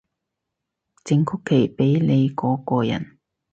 整曲奇畀你嗰個人